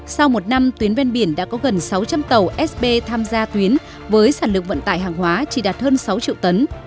sau một năm tuyến ven biển đã có gần sáu trăm linh tàu sb tham gia tuyến với sản lượng vận tải hàng hóa chỉ đạt hơn sáu triệu tấn